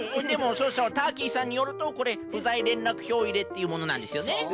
でもそうそうターキーさんによるとこれふざいれんらくひょういれっていうものなんですよね。